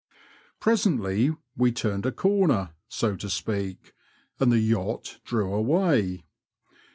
Presently we turned a corner, so to speak, and the yacht drew away.